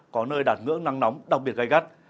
có nơi đạt ngưỡng nắng nóng đặc biệt gai gắt